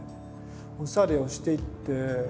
おしゃれをして行って。